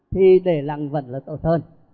thì để lặng vẫn là tổn thơn